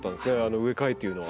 植え替えというのは。